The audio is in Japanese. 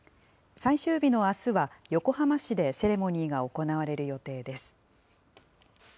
最終日のあすは、横浜市でセレモニーが行われる予定です。